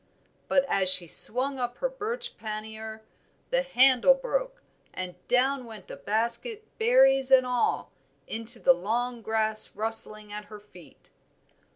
But as she swung up her birch pannier the handle broke, and down went basket, berries and all, into the long grass rustling at her feet.